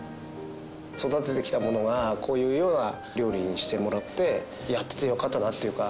育ててきたものがこういうような料理にしてもらってやっててよかったなっていうか